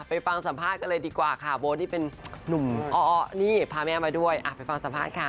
ฟังสัมภาษณ์กันเลยดีกว่าค่ะโบ๊ทนี่เป็นนุ่มอ้อนี่พาแม่มาด้วยไปฟังสัมภาษณ์ค่ะ